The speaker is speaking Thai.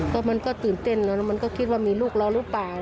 ก็มันก็ตื่นเต้นแล้วมันก็คิดว่ามีลูกเราหรือเปล่า